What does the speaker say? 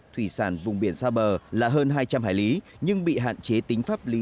thủy sản vùng biển xa bờ là hơn hai trăm linh hải lý nhưng bị hạn chế tính pháp lý